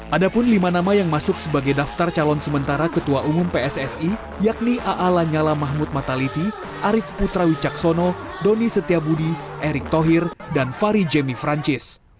ada pun lima nama yang masuk sebagai daftar calon sementara ketua umum pssi yakni a'ala nyala mahmud mataliti arief putrawi caksono doni setiabudi erik tohir dan fari jemi francis